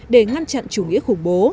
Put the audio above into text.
để ngăn chặn chủ nghĩa khủng bố